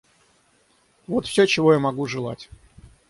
Вот всё, чего я могу желать.